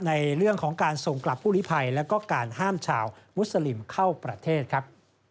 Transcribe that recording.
ในเรื่องของการส่งกลับผู้ลิภัยแล้วก็การห้ามชาวมุสลิมเข้าประเทศครับ